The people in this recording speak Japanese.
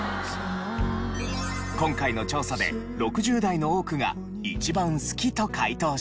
今回の調査で６０代の多くが一番好きと回答した曲が。